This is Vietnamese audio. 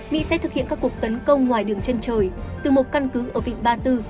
mỹ sẽ thực hiện các cuộc tấn công ngoài đường chân trời từ một căn cứ ở vịnh ba tư